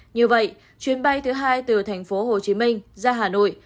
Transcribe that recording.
như vậy chuyến bay thứ hai từ thành phố hồ chí minh ra hà nội